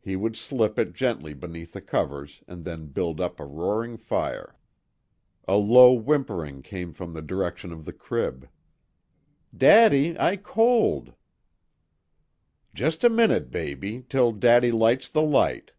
He would slip it gently beneath the covers and then build up a roaring fire. A low whimpering came from the direction of the crib: "Daddy, I cold." "Just a minute, baby, till daddy lights the light."